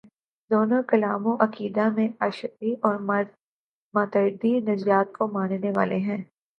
دونوں کلام و عقیدہ میں اشعری و ماتریدی نظریات کو ماننے والے ہیں۔